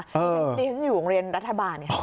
เพราะฉะนั้นอยู่รุ่งเรียนรัฐบาลอย่างนี้